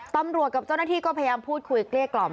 ต้องหรอกเจ้าหน้าที่ก็พยายามพูดคุยเคลกล่อม